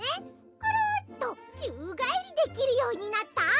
クルッとちゅうがえりできるようになったよ！